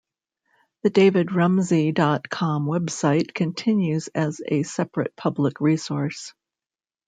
The davidrumsey dot com website continues as a separate public resource.